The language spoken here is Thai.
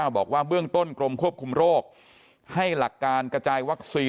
บอกว่าเบื้องต้นกรมควบคุมโรคให้หลักการกระจายวัคซีน